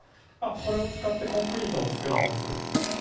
これを使ってコンクリートを作ります